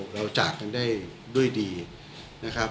เราจากกันได้ด้วยดีนะครับ